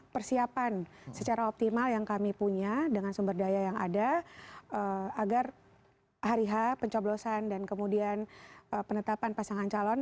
persiapan secara optimal yang kami punya dengan sumber daya yang ada agar hari h pencoblosan dan kemudian penetapan pasangan calon